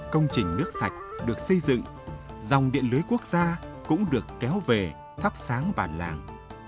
công trình nước sạch được xây dựng dòng điện lưới quốc gia cũng được kéo về thắp sáng bản làng